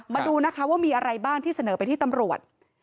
มาดูนะคะว่ามีอะไรบ้างที่เสนอไปที่ตำรวจ